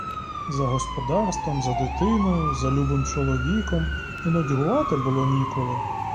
За господарством, за дитиною, за любим чоловіком і нудьгувати було ніколи.